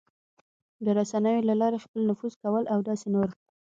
د رسنیو له لارې خپل نفوذ کول او داسې نور...